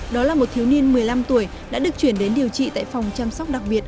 đó là một thiếu niên một mươi năm tuổi đã được chuyển đến điều trị tại phòng chăm sóc đặc biệt